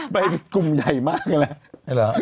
ไปกลุ่มใหญ่มากนี่แหละ